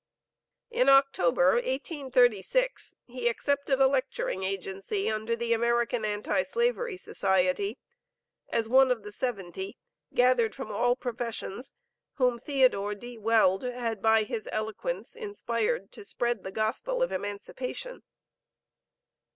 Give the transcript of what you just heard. In October, 1836, he accepted a lecturing agency under the American Anti slavery Society, as one of the "seventy," gathered from all professions, whom Theodore D. Weld had by his eloquence inspired to spread the gospel of emancipation.